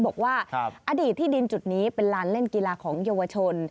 บอกว่าอดีตที่ดินจุดนี้เป็นลานเล่นกีฬาของเยาวชน